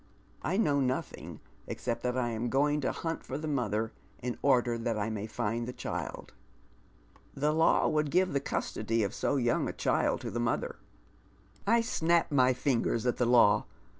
I know nothing except that I am going to huat for the mother in order that I may find the child." " The law wo ild give the custody «£ ?ic young a child to the mother." " I ^!nap my fingers at the law.